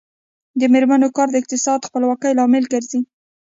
د میرمنو کار د اقتصادي خپلواکۍ لامل ګرځي.